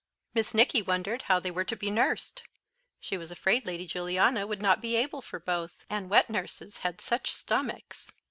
Miss Nicky wondered how they were to be nursed. She was afraid Lady Juliana would not be able for both, and wet nurses had such stomachs!